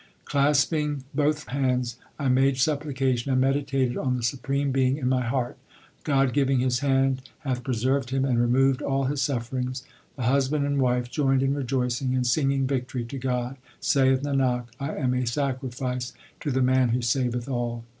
Clasping both hands I made supplication and meditated on the Supreme Being in my heart. God giving His hand hath preserved him and removed all his sufferings. The husband and wife joined in rejoicing and singing victory to God. Saith Nanak, I am a sacrifice to the man who saveth all.